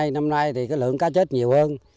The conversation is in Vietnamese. năm nay thì lượng cá chết nhiều hơn